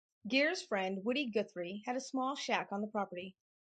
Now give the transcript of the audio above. Geer's friend Woody Guthrie had a small shack on the property.